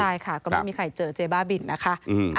ใช่ค่ะก็ไม่มีใครเจอเจ๊บ้าบินนะคะ